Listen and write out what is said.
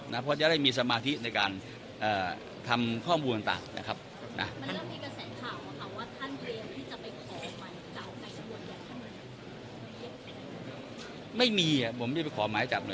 เพราะจะได้มีสมาธิในการทำข้อมูลต่างนะครับ